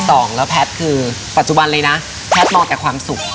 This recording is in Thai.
สองแล้วแพทย์คือปัจจุบันเลยนะแพทย์มองแต่ความสุข